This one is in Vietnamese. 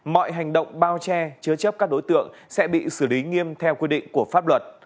mọi hành động bao che chứa chấp các đối tượng sẽ bị xử lý nghiêm theo quy định của pháp luật